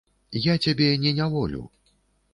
Я цябе не няволю.